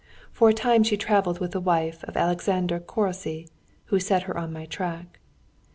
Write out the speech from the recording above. For a time she travelled with the wife of Alexander Körösy, who set her on my track.